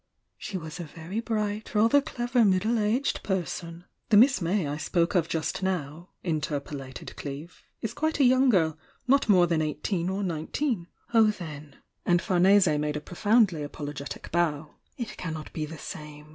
She was a very bright, rather clever middle aged per son ",^ "The Miss May I spoke of just now," mterpolated Cleeve, "is quite a. young girl— not more than eigh teen or nineteen." "Oh, then!"— and Farnese made a profoundly apologetic bow— "it cannot be the same.